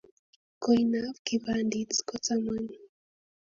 koin ab kipandit ko taman